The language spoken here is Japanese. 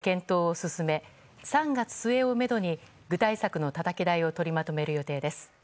会議ではこれらの課題について検討を進め３月末をめどに具体策のたたき台を取りまとめる予定です。